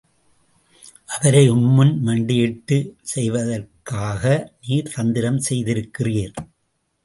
அவரை உம்முன் மண்டியிடச் செய்வதற்காக நீர் தந்திரம் செய்திருக்கிறீர்.